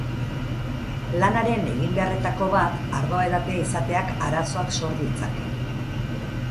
Lanaren eginbeharretako bat ardoa edatea izateak arazoak sor ditzake.